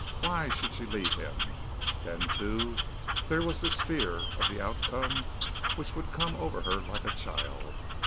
Why should she leave him? Then, too, there was this fear of the outcome, which would come over her like a child.